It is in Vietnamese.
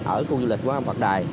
ở khu du lịch quang nam phật đài